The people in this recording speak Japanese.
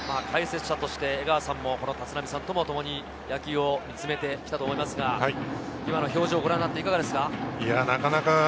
解説者として江川さんも立浪さんとともに野球を見てきたと思いますが、今の表情をご覧になっていかがですか？